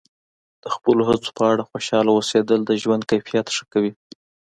د خپلو هڅو په اړه خوشحاله اوسیدل د ژوند کیفیت ښه کوي.